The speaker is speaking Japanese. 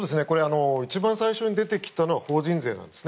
一番最初に出てきたのが法人税なんですね。